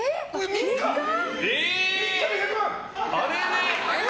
３日で１００万！